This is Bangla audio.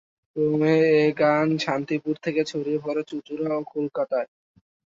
ক্রমে এ গান শান্তিপুর থেকে ছড়িয়ে পড়ে চুঁচুড়া ও কলকাতায়।